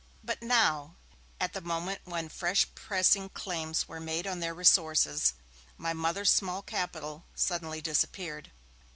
But now, at the moment when fresh pressing claims were made on their resources, my Mother's small capital suddenly disappeared.